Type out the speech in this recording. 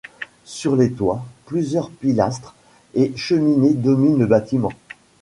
Sur les toits, plusieurs pilastres et cheminées dominent le bâtiment.